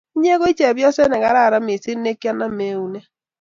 inye ko chepyoset ne kararn mising ne kianame eunek